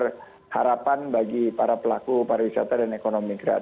dan juga menyebar harapan bagi para pelaku para wisata dan ekonomi kreatif